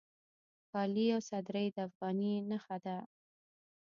کالي او صدرۍ د افغاني نښه ده